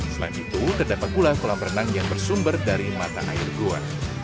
selain itu terdapat pula kolam renang yang bersumber dari mata air gua